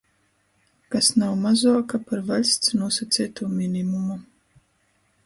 Kas nav mazuoka par vaļsts nūsaceitū minimumu,